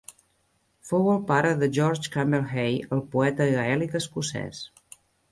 Fou el pare de George Campbell Hay, el poeta gaèlic escocès.